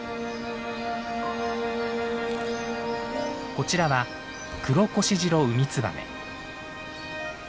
こちらはクロコシジロウミツバメ。